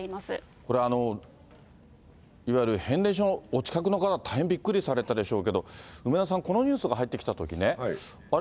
これ、いわゆる変電所お近くの方、大変びっくりされたでしょうけれども、梅沢さん、このニュースが入ってきたときね、あれ？